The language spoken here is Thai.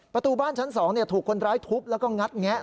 ประตูบ้านชั้น๒ถูกคนร้ายทุบแล้วก็งัดแงะ